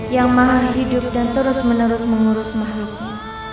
yang maha hidup dan terus menerus mengurus makhluk nya